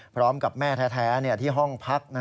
พร้อมกับแม่แท้ที่ห้องพัก